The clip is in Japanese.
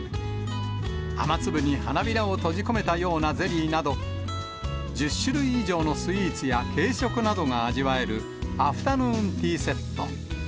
雨粒に花びらを閉じ込めたようなゼリーなど、１０種類以上のスイーツや軽食などが味わえるアフタヌーンティーセット。